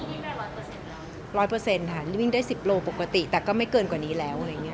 ๑๐๐ค่ะวิ่งได้๑๐กิโลกรัมปกติแต่ก็ไม่เกินกว่านี้แล้วอะไรอย่างนี้